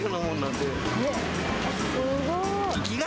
すごい。